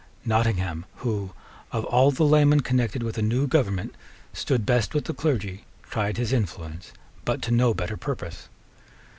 Nottingham, who, of all the laymen connected with the new government, stood best with the clergy, tried his influence, but to no better purpose.